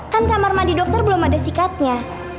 kan kamar mandi dokter belum ada sikatnya